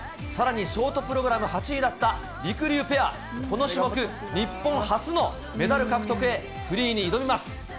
さらにショートプログラム８位だったりくりゅうペア、この種目、日本初のメダル獲得へ、フリーに挑みます。